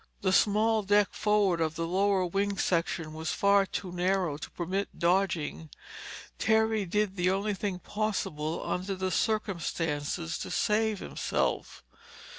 The small deck forward of the lower wing section was far too narrow to permit dodging. Terry did the only thing possible under the circumstances to save himself.